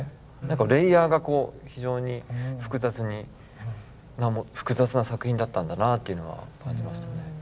レイヤーが非常に複雑な作品だったんだなっていうのは感じましたね。